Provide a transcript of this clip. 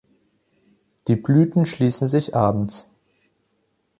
Die Blüten schließen sich abends.